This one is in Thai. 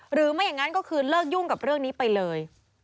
หรือไม่อย่างนั้นก็คือเลิกยุ่งกับเรื่องนี้ไปเลย